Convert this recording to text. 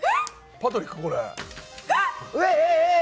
パトリック、これ。